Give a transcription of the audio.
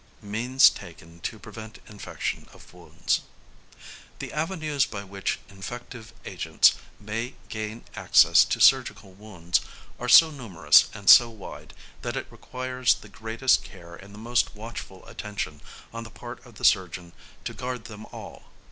#Means taken to Prevent Infection of Wounds.# The avenues by which infective agents may gain access to surgical wounds are so numerous and so wide, that it requires the greatest care and the most watchful attention on the part of the surgeon to guard them all.